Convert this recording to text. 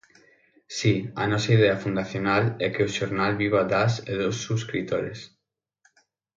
Si, a nosa idea fundacional é que o xornal viva das e dos subscritores.